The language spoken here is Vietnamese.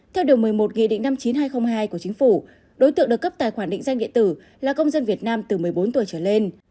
theo điều một mươi một nghị định năm mươi chín nghìn hai trăm linh hai của chính phủ đối tượng được cấp tài khoản định danh điện tử là công dân việt nam từ một mươi bốn tuổi trở lên